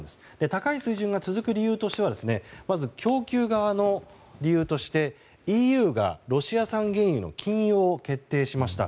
高い水準が続く理由としてはまず、供給側の理由としてＥＵがロシア産原油の禁輸を決定しました。